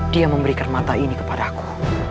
dia memberikan mata ini kepada aku